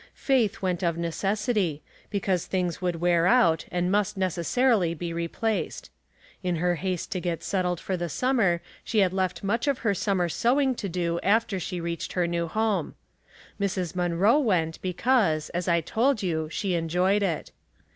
Faith went of necessity, be cause things would wear out and must necessarily be replaced. In her haste to get settled for the summer she had left much of her summer sewing to do after she reached her new home. Mrs. Munroe went because, as I told you, she enjoyed it.